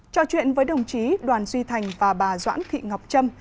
trò chuyện với đồng chí đoàn duy thành và bà doãn thị ngọc trâm